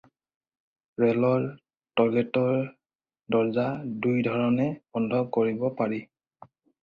ৰেলৰ টইলেটৰ দৰজা দুই ধৰণে বন্ধ কৰিব পাৰি।